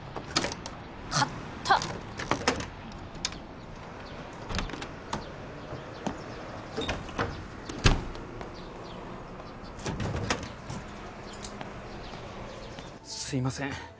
かったすいません